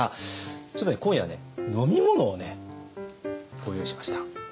ちょっとね今夜はね飲み物をご用意しました。